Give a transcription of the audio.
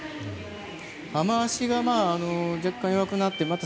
雨脚が若干弱くなってまた